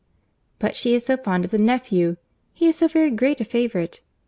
"But she is so fond of the nephew: he is so very great a favourite.